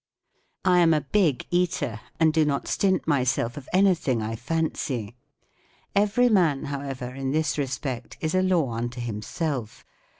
I am a big eater, and do not stint myself of anything I fancy. Every man, however, in this respect is a law unto himself.